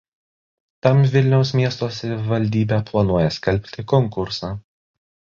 Tam Vilniaus miesto savivaldybė planuoja skelbti konkursą.